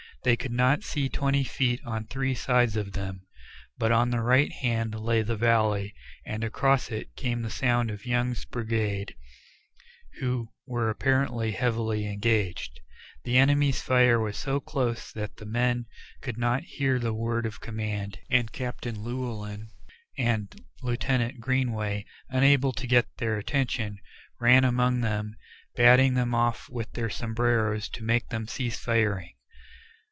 They could not see twenty feet on three sides of them, but on the right hand lay the valley, and across it came the sound of Young's brigade, who were apparently heavily engaged. The enemy's fire was so close that the men could not hear the word of command, and Captain Llewellyn and Lieutenant Greenway, unable to get their attention, ran among them, batting them with their sombreros to make them cease firing.